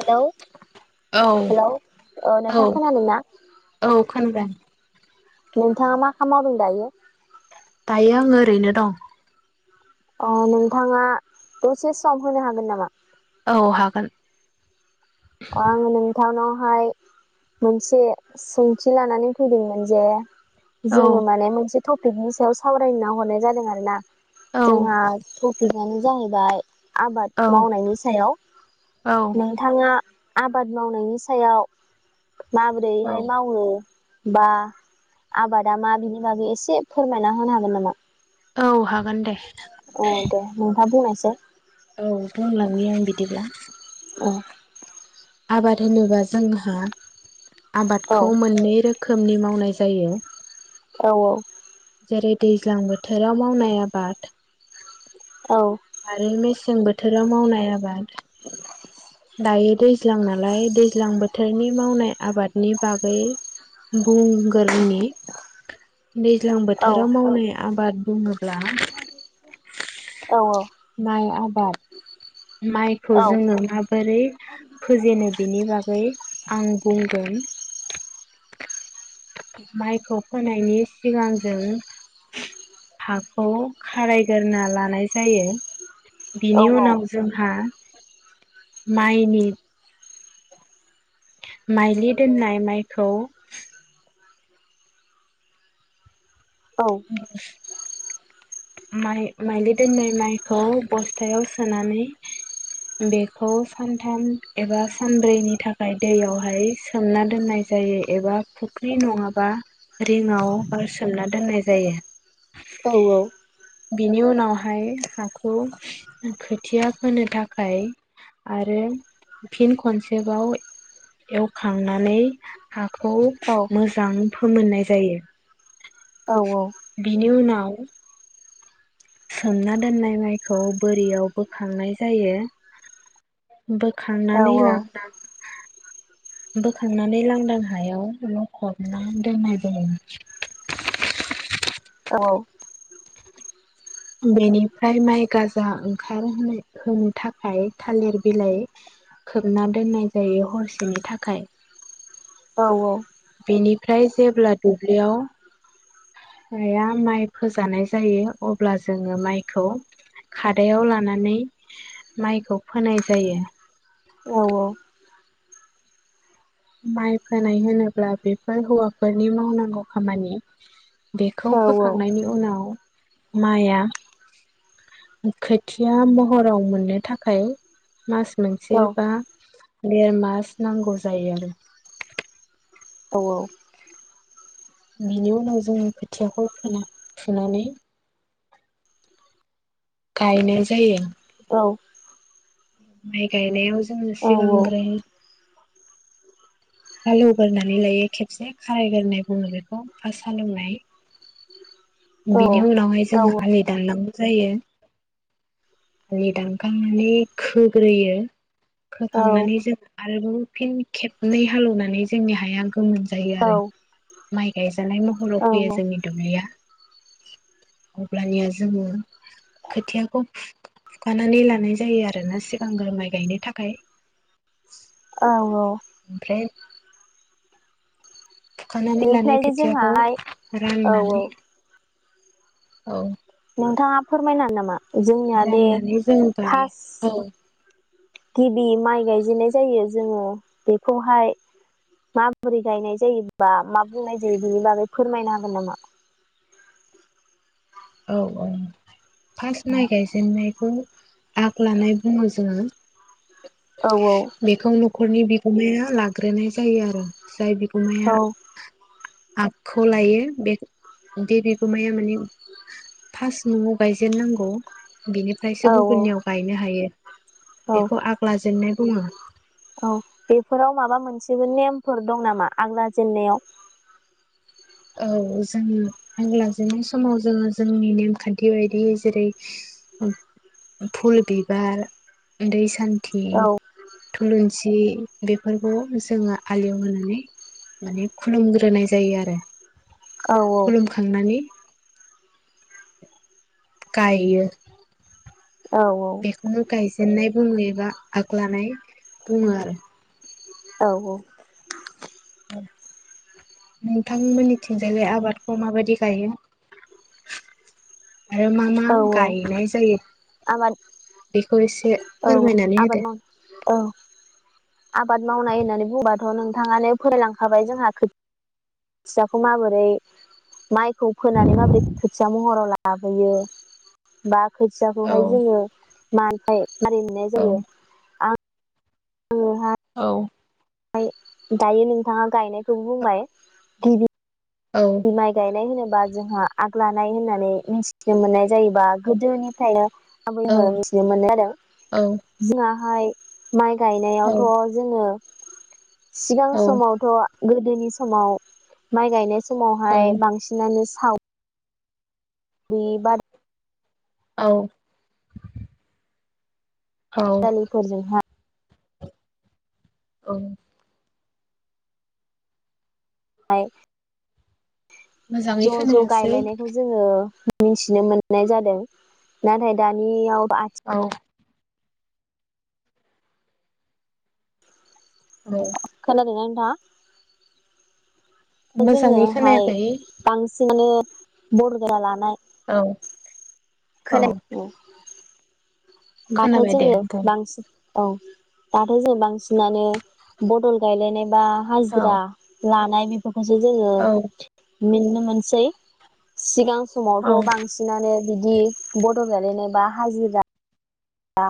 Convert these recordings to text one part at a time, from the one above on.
Hello औ hello औ औ नोंथां खोनादों ना औ खोनादों नोंथाङा मा खाम मावदों दायो दायो आं ओरैनो दं अ नोंथाङा दसे सम होनो हागोन नामा औ हागोन। अ आं नोंथां नाव आहाय मोनसे सोंथि लानानै फैदोंमोन जे औ जोङो माने मोनसे टपिकनि सायाव सावरायना हरनाय जादों आरो ना औ जोंहा [inaudible] आबाद औ मावनायनि सायाव औ नोंथाङा आबाद मावनायनि सायाव औ माबोरैहाय मावो बा आबादा मा बिनि बागै एसे फोरमायना होनो हागोन नामा [inaudible] औ हागोन दे स। औ बुंलांनि आं बिदिब्ला औ। आबाद होनोबा जोंहा औ औ आबादखौ मोननै रोखोमनि माव मावनाय जायो। औ औ। जेरै दैज्लां बोथोराव मावनाय आबाद आरो मेसें बोथोराव मावनाय आबाद दायो दैज्लां नालाय दैज्लां बोथोरनि मावनाय आबादनि बागै बुंगोरनि दैज्लां बोथोराव मावनाय आबाद बुङोब्ला माइ आबाद माइखौ जोंनो माबोरै फोेजेनो बिनि बागै आं बुंदों उन माइखौ होनायनि सिगां जों हाखौ खारायग्रा लानाय जायो। बिनि उनाव जोंहा माइनि माइलि दोननाय माइखौ [inaudible] माइ-माइलि दोननाय माइखौ बस्थायाव सोनानै बेखौ सानथाम एबा सानब्रैनि थाखाय दैयावहाय सोमना दोननाय जायो एबा फुख्रि नङाबा रिंङाव बो सोमना दोननाय जायो। औ औ। बिनि उनावहाय हाखौ खोथिया फोनो थाखाय आरो फिन खनसेबाव एवखांनानै हा खौ मोजां फोमोननाय जायो। बिनि उनाव [inaudible] सोमना दोननाय माइखौ बोरियाव बोखांनाय जायो‌। बोखांनानै लांदां बोखांनानै लांदां हायाव लखबना दोननाय जायो। औ बेनिफ्राय माइ गाजा ओंखार होनो थाखाय थालिर बिलाइ खोबना दोननाय जायो हरसेनि थाखाय। औ औ बेनिफ्राय जेब्ला दुब्लियाव हाया माइ फोजानाय जायो अब्ला जोङो माइखौ खादायाव लानानै माइखौ फोनाय जायो। माइ फोनाय होनोब्ला बेफोर हौवाफोरनि मावनांगौ खामानि। बेखौ फोखांनायनि उनाव माया खोथिया महराव मोननो थाखाय मास मोनसे बा देर मास नांगौ जायो आरो औ औ बिनि उनाव जोङो खोथियाखौ फोना फुनानै गायनाय जायो औ माय गायनायाव जों सिगांग्रो हालेवगोरानै लायो खेबसे खारायगोरोनाय बुङो बेखौ फासट हालोनाय। बिनि उनावहाय औ औ जोङो आलि दाननांगौ जायो। दानखांनानै खोग्रोयो। औ खोखांनानै जों आरोबाव फिन खेबनै हालेवनानै जोंनि हाया गोमोन जायो आरो माइ गायजानाय महराव फैयो जोंनि दुब्लिया। अब्लानिया जोङो खोथियाखौ फुखानानै लानाय जायो आरोना सिगांग्रो माइ गायनो थाखाय। औ औ ओमफ्राय फुखानानै लानाय बेनिफ्राय खोथियाखौ जोंहाहाय औ औ राननानै औ नोंथाङा फोरमायनो नामा? जोंनिया दे राननानै जों फार्स गायो औ गिबि माइ गायजेननाय जायो जोङो बेखौहाय माबोरै गायनाय जायो बा मा बुंनाय जायो बेनि बागै फोरमायनो हागोन नामा? औ औ फार्स्ट माइ गायजेननायखौ आग लानाय बुङो जोङो। औ औ बेखौ नखरनि बिगु माया लाग्रोनाय जायो आरो। जाय औ बिगुमाया आगखौ लायो बे बे बिगोमाया माने फास नआव गायजेननांगौ औ बिनिफ्रायसो औ गुबुननियाव गायनो हायो। औ बेखौ आग लाजेननाय बुङो [inaudible] औ बेफोराव माबा मोनसे जेबो नेमफोर दं नामा आग लाजेननायाव औ जोङो आं ला जेननाय समाव जोङो जोंनि नेमखान्थि बायदि जेरै फुल बिबारै दै सान थि औ थुलुंसि बेफोरखौ जोङो आलियाव होनानै माने खुलुमग्रोनाय जायो आरो औ औ खुलुमखांनानै गायो औ बेखौनो गायजेनाय बुङो एबा आग लानाय बुङो आरो औ औ नोंथांमोननिथिंजाय आबादखौ माबायदि गायो? आरो मा मा औ गायनाय जायो आबाद बेखौ एसे औ फोरमायनानै आबाद होदो माव औ आबाद मावनाय होननानै बुंबाथ' नोंथाङानो फोररायलांखाबाय जोंहा खोथ फिसाखौ माबोरै माइ खौ फोनानै माबोरै खोथिया महराव लाबोयो बा औ खोथियाखौहाय जोङो मानिफ्राय मारै मोननाय औ जायो आं औ ओमफ्राय दायो नोंथाङा गायनायखौ बुंबाय गिबि बि माइ गायनाय होनोब बा जोंहा आग लानाय होननानै मिथिनो मोननाय जायोबा गोदोनिफ्रायनो [unintelligible] औ मिथिनो मोनो आरो औ जोंआहाय माइ औ गायनायावथ' जोङो सिगां औ समावथ' गोदोनि समाव माइ गायनाय औ समावहाय बांसिनानो स थाव। बि बार। औ। औ जालिफोरहा औ। हाय। मोजाङै ज' ज' खोनायासै गायलायनायखौ जोङो मिथिनो मोननाय जादों नाथाय दानियाव आथि औ। औ खोनादों ना मा? मोजाङै जोङोहाय खोनायाखै बांसिनानो बरद गा लाना [unintelligible] औ। औ खोनायाखै। [inaudible] दाथ' खोनाबाय दे जोङो बुं बांसि औ दाथ' जों बांसिनानो बदल गायलायनाय। बा औ हाजिरा लानाय। [inaudible] ससे जोङो। औ मिनो मोनसै सिगां। औ समावथ' बांसिनानो। बिदि बड'ल गालायनाय बा हाजिरा। बा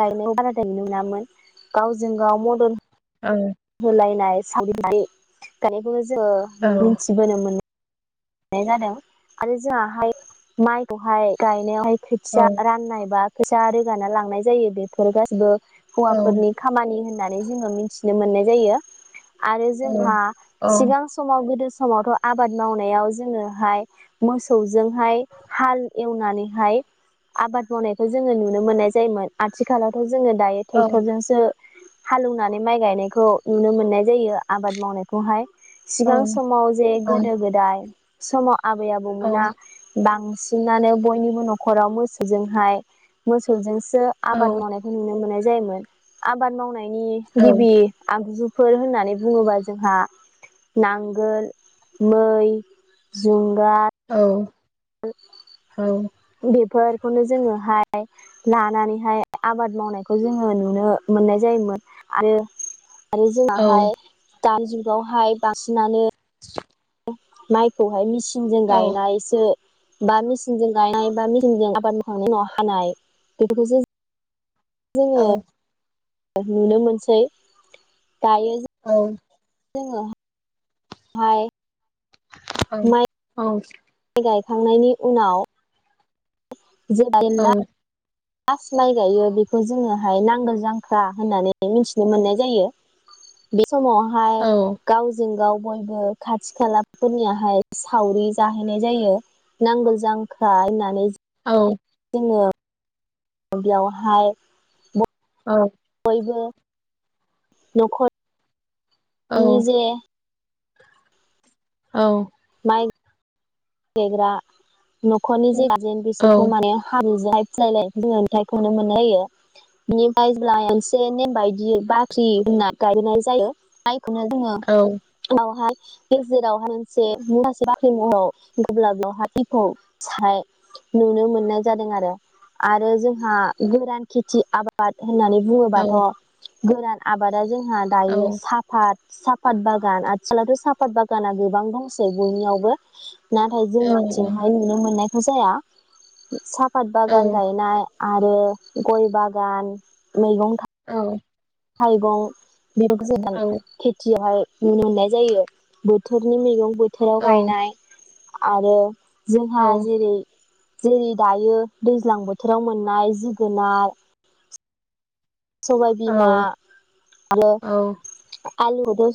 गायनायाव बारा गायनो मोनामोन गावजों-गाव मदद। औ। होलायनाय सावनाय गानायखौ [unintelligible] जोन औ मिथिबोनो मोनो। न जादों। आरो जोङाहाय माइ। बहाय [unintelligible] औ खोथिया राननायबा। फैसा रोगाना लांनाय जायो बेफोर गासिबो, औ हौवाफोरनि खामानि होननानै जोङो मिथि, नुनो मोननाय जायो आरो जोंहा सिगां समाव गोदो समावथ' आबाद मावनायाव, जोङोहाय मोसौजोंहाय हाल एवनानैहाय आबाद मावनायखौ जोङो नुनो मोनो मोन्नाय जायोमोन आथिखालावथ' जोङो दायो ट्रेक्टरजोंसो हालेवनानै माइ गायनायखौ नुनो मोननाय जायो आबाद मावनायखौहाय, सिगां समाव जे गोदो गोदाय, समाव आबै-आबौमोना बां बांसिननानै बयनिबो न'खराव मोसौजोंहाय मोसौजों सो आबाद मावनायखौ नुनो मोननाय जायोमोन आबाद मावनाय, नि गिबि आगजु, फोर होननानै बुङोबा जोंहा नांगोल मै, जु औ [unintelligible] बेफोरखौनो जोङोहाय लानानैहाय आबाद मावनायखौ जोङो नुनो मोननाय जायोमोन आरो आरो जोङाहाय दानि जुगावहाय बांसिनानो [inaudible] माइखौहाय मिसि सिंजों गायनायसो बा मेचिनजों गायनाय बा मेचिनजों आबाद मावखांनायनि उनाव हानाय बेफोरखौसो, जोङो नुनो मोनसै दायो जों जोङो माइ औ औ गायखांनायनि उनाव [unintelligible] लास माइ गायो बेखौ जोङोहाय नांगोल जांख्रा होननानै मिथिनो मोननाय जायो समावहाय गावजों गाव, बयबो खाथि खालाफोरनियाहाय सावरि जाहैनाय जायो नांगोलजांख्रा होननानै औ। ओ। बेयावहाय औ। इबो न'खर निजे औ। देग्रा न'खरनि जे गारजेन बिसोरखौ माने हाब्रुजोहाय [unintelligible] मोननाय जायो बेनिफ्राय जब्ला मोनसे नेम बायदि बाख्रि होनना गायनाय जायो बेखौनो जोङो बावहाय गेजेरावहाय मोनसे माखासे बाख्रि महराव [unintelligible] साय नुनो मोननाय जादों आरो आरो जोंहा गोरान खेथि आबाद होननानै बुङोबाथ' गोरान आबादा जोंनि जोंहा दायो साफात सापात बागान आथिखलाथ‌' सापात बागाना गोबां दंसै बयनियावबो नाथाय जोंनिथिंहाय नुनो मोननाय जाया। सा फात बागान गायनाय आरो गय बागान मैगं औ। थाइगं बेव जोगोन खेथियावहाय नुनो मोननाय जायो बोथोरनि मैगं‌ बोथोराव गायनाय आरो जोंहा जेरै जेरै दायो दैज्लां बोथोराव मोननाय जिगोनार सबाय बिमा आरो आलुखौ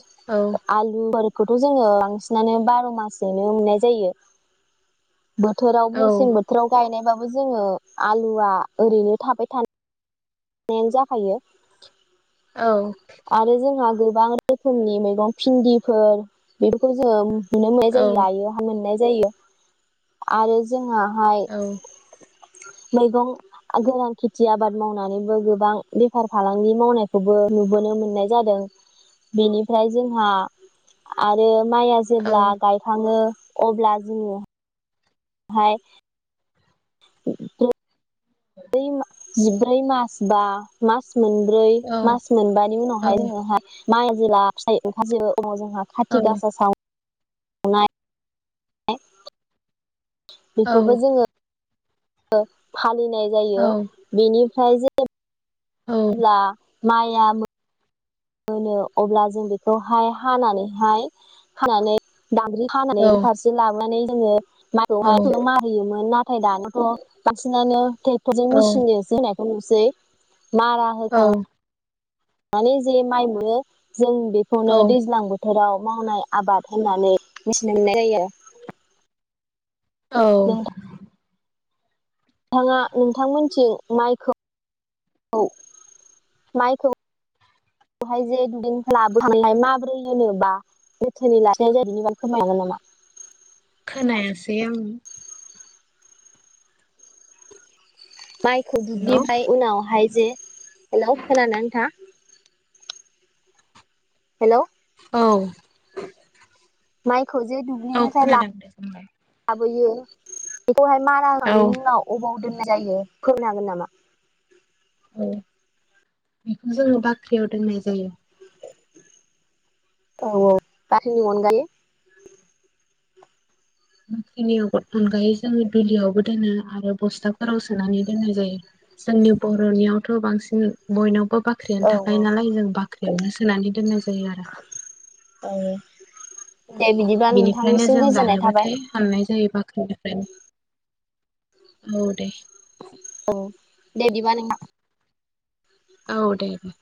आलुफोर खौथ' जोङो बांसिनानो बार मासयैनो मोननाय जायो। बोथोराव मेसें बोथोराव गायनायबाबो जोङो आलुआ ओरैनो थाबाय थानो नाय जाखायो। आरो जोंहा गो गोबां रोखोमनि मैगं भिन्दिफोर बेफोरखौ जों नुनो मोननाय जायो आायो मोननाय जायो आरो जोंहा औ मैगं गोरान खेथि आबाद मावनानै गोबां बेफार फालांगि मावनायखौबो नुबोनो मोननाय जादों बेनिफ्राय जोंहा आरो माइआ जेब्ला गायखाङो अब्ला जोंङो हाय ग [inaudible] ओं जिब्रै मास बा मास मोनब्रै मास मोनबानि उनावहाय जोङोहाय माइ जेला फिथाय ओंखाजोबो समाव जोंहा खाथि गासा साव ए बेखौबो जोङो ओ फाल लिनाय जायो बिनि [unintelligible] ब्ला मायाम मोनो अब्ला जों बेखौहाय हानानैहाय हानानै दामब्रि खानानै फारसे लाबोनानै जोङो [unintelligible] नाथाय दानोथ' बांसिनानो टेक्टरजों मिसिनजोंसो होनाय खौ नुसै। मारा औ होखां माने जे माइ मोनो जों बेखौनो औ दैज्लां बोथ थोराव मावनाय आबाद होननानै मिथिनो मोननाय जायो। औ नोंथाङा नोंथांमोनथिं माइखौ माइखौहाय जे दुब्लिनिफ्राय लाबोखांनानै माब्रै होनोबा जोथोनै लाखिनाय जायो बिनि बागै फोरमायनो हागोन नामा? खोनायासेै आं। माइखौ हेलौ दुब्लिफ्राय उनावहाय जे हेल' खोनानोना नोंथांआ? हेलौ औ माइ खौजे औ दुब्लिनिफ्राय ला खोनादों दे बुंलाय बोयो बेखौहाय मारा औ होखांनायनि उनाव अबाव दोन नाय जायो फोरमायनो हागोन नामा? औ बेखौ जोङो बाख्रियाव दोननाय जायो। औ औ बाख्रिनि अनगायै बाख्रिनि अनगायै जोङो दुलियावबो दोनो आरो बस्थाफोराव सोनानै दोननाय जायो जोंनि बर'नियावथ' बांसिन बयनावबो औ बाख्रिआनो थाखायो नालाय जों बाख्रि बेयावनो सोनानै दोननायस जायो आरो। औ दे बिदिबा बिनिफ्रायनो नोंथांनिसिम जों गोजोननाय थाबाय जानोबाथाय हाननाय जायो बाख्रि औ दे। अ दे इदिबा नोंथां। औ दे दे।